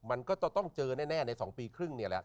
มันก็จะต้องเจอแน่ใน๒ปีครึ่งนี่แหละ